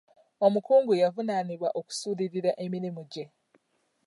Omukungu yavunaanibwa okusuulirira emirimu gye.